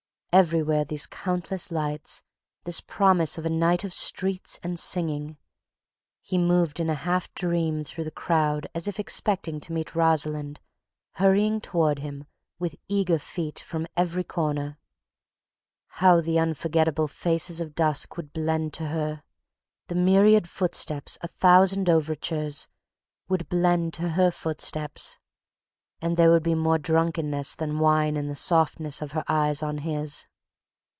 Everywhere these countless lights, this promise of a night of streets and singing—he moved in a half dream through the crowd as if expecting to meet Rosalind hurrying toward him with eager feet from every corner.... How the unforgettable faces of dusk would blend to her, the myriad footsteps, a thousand overtures, would blend to her footsteps; and there would be more drunkenness than wine in the softness of her eyes on his.